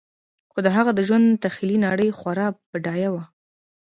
خو د هغه د ژوند تخیلي نړۍ خورا بډایه وه